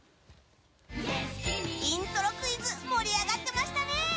イントロクイズ盛り上がっていましたね。